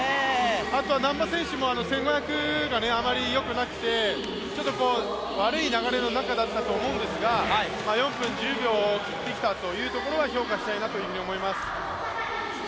あとは難波選手も１５００があまりよくなくてちょっと悪い流れの中だったと思うんですが４分１０秒を切ってきたというところは評価したいと思います。